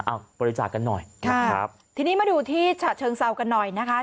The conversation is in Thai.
เอาบริจาคกันหน่อยนะครับทีนี้มาดูที่ฉะเชิงเซากันหน่อยนะคะ